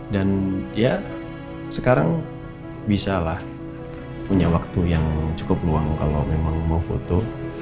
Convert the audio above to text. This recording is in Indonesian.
dan ya sekarang bisa lah punya waktu yang cukup luang kalo memang mau foto